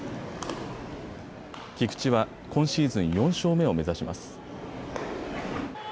菊池は今シーズン４勝目を目指します。